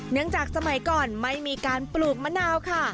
จากสมัยก่อนไม่มีการปลูกมะนาวค่ะ